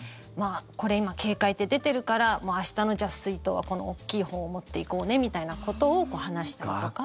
これ、今、警戒って出てるから明日の水筒はこの大きいほうを持っていこうねみたいなことを話したりとか。